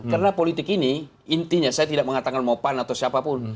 karena politik ini intinya saya tidak mengatakan mau pan atau siapa pun